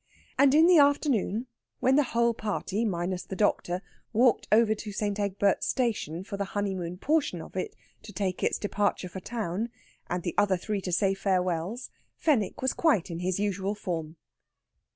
And in the afternoon, when the whole party, minus the doctor, walked over to St. Egbert's Station for the honeymoon portion of it to take its departure for town, and the other three to say farewells, Fenwick was quite in his usual form.